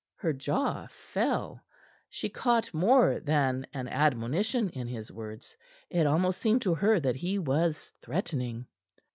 Her jaw fell. She caught more than an admonition in his words. It almost seemed to her that he was threatening.